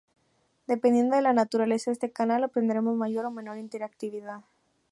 Dependiendo de la naturaleza de este canal, obtendremos mayor o menor interactividad.